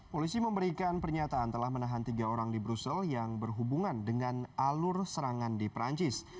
polisi memberikan pernyataan telah menahan tiga orang di brussel yang berhubungan dengan alur serangan di perancis